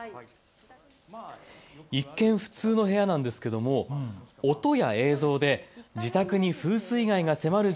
一見、普通の部屋ですが音や映像で自宅に風水害が迫る